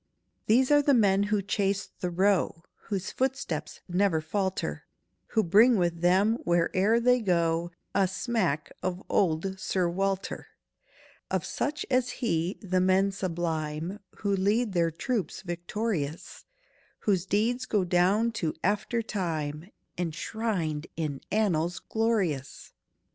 "These are the men who chase the roe, Whose footsteps never falter, Who bring with them, where'er they go, A smack of old SIR WALTER. Of such as he, the men sublime Who lead their troops victorious, Whose deeds go down to after time, Enshrined in annals glorious!